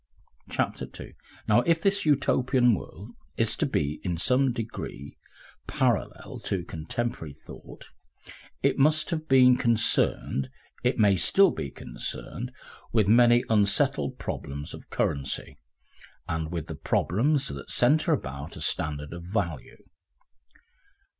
Section 2 Now if this Utopian world is to be in some degree parallel to contemporary thought, it must have been concerned, it may be still concerned, with many unsettled problems of currency, and with the problems that centre about a standard of value.